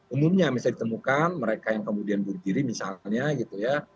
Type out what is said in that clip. umumnya misalnya ditemukan mereka yang kemudian bunuh diri misalnya gitu ya